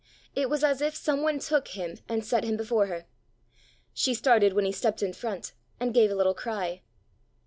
It was as if some one took him and set him before her. She started when he stepped in front, and gave a little cry.